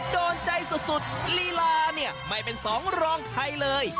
โดนใจสุดลีลาไม่เป็นสองรองไทยเลย